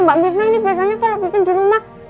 mbak mirna ini biasanya kalau bikin di rumah